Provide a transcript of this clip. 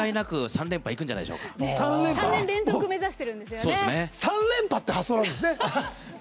３連覇という発想なんですね。